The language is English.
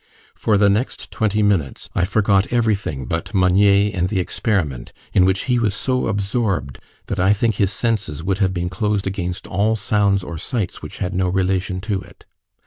For the next twenty minutes I forgot everything but Meunier and the experiment in which he was so absorbed, that I think his senses would have been closed against all sounds or sights which had no relation to it.